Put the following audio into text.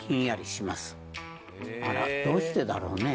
あらどうしてだろうね？